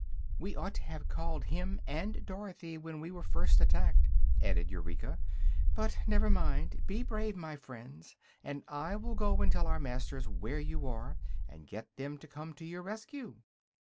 "We ought to have called him and Dorothy when we were first attacked," added Eureka. "But never mind; be brave, my friends, and I will go and tell our masters where you are, and get them to come to your rescue."